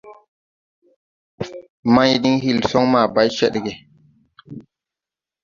Mày diŋ hil son maa bay ced ge.